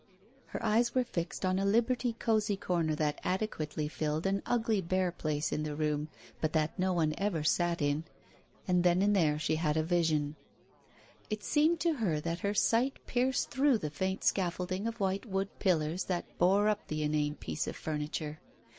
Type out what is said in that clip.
Her eyes were fixed on a Liberty cosy corner that adequately filled an ugly bare place in the room but that no one ever sat in — and then and there she had a vision. It seemed to her that her sight pierced through the faint scaffolding of white wood pillars that bore up the inane piece of furniture.